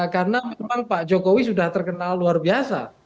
karena memang pak jokowi sudah terkenal luar biasa